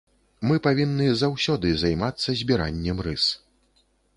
Мы павінны заўсёды займацца збіраннем рыс.